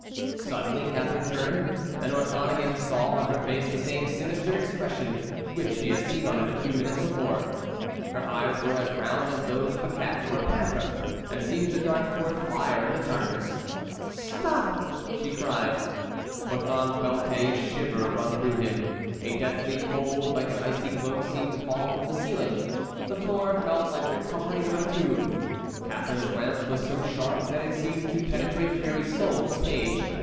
Suddenly Catharine turned and Orthon again saw on her face the same sinister expression which he had seen on it a few minutes before. Her eyes were as round as those of a cat or a panther and seemed to dart forth fire in the darkness. "Stop!" she cried. Orthon felt a shiver run through him; a deathly cold like an icy cloak seemed to fall from the ceiling. The floor felt like the covering of a tomb. Catharine's glance was so sharp that it seemed to penetrate to the very soul of the page.